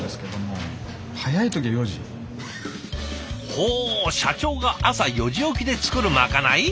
ほう社長が朝４時起きで作るまかない？